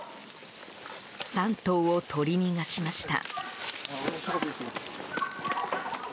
３頭を取り逃がしました。